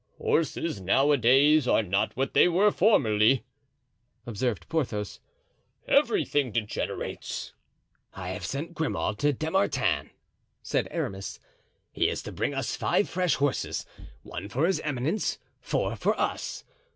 "Horses, nowadays, are not what they were formerly," observed Porthos; "everything degenerates." "I have sent Grimaud to Dammartin," said Aramis. "He is to bring us five fresh horses—one for his eminence, four for us.